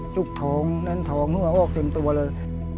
จุกท้องแน่นท้องเหงื่อออกเต็มตัวเลย